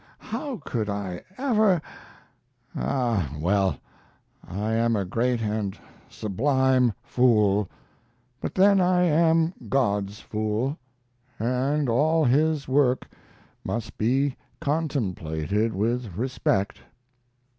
How could I ever Ah, well, I am a great and sublime fool. But then I am God's fool, and all his work must be contemplated with respect.